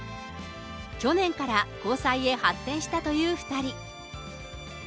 去年から交際へ発展したという２人。